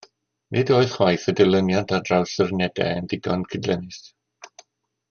Nid oedd chwaith y dilyniant ar draws yr unedau yn ddigon cydlynnus